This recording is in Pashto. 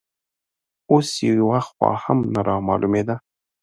اوس یوه خوا هم نه رامالومېده